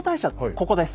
ここです。